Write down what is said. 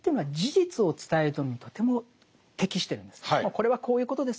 これはこういうことですよ。